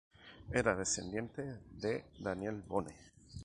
Era descendiente de Daniel Boone.